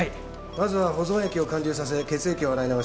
まずは保存液を潅流させ血液を洗い流します。